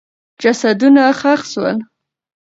جسدونه ښخ سول.